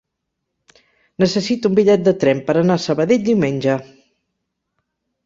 Necessito un bitllet de tren per anar a Sabadell diumenge.